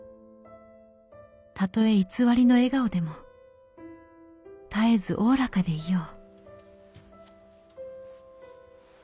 たとえ偽りの笑顔でも絶えずおおらかでいよう」。